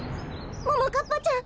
ももかっぱちゃん